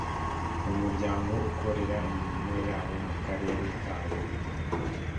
umuryango ukorera imirimo yawo mu karere kawo.